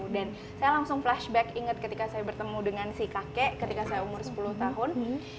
dan saya langsung flashback inget ketika saya bertemu dengan si kakek ketika saya umur sepuluh tahun